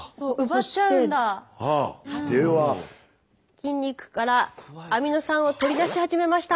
筋肉からアミノ酸を取り出し始めました。